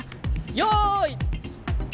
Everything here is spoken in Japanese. よい。